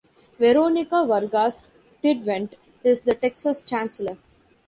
Veronica Vargas Stidvent is the Texas Chancellor.